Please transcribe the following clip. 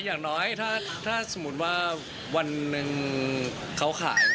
อย่างน้อยถ้าสมมุติว่าวันหนึ่งเขาขาย